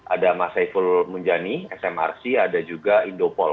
ada mas saiful munjani smrc ada juga indopol